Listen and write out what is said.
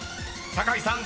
［酒井さん］